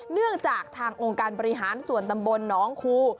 เนื่องจากทางองค์การบริหารส่วนตำบลน้องคู